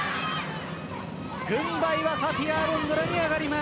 軍配はタピア・アロンドラに上がります。